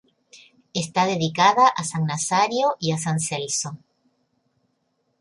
Está dedicada a San Nazario y a San Celso.